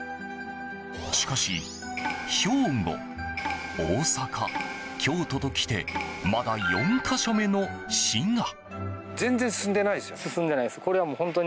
しかし兵庫、大阪、京都と来てまだ４か所目の滋賀。